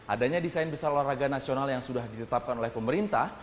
adanya desain besar olahraga nasional yang sudah ditetapkan oleh pemerintah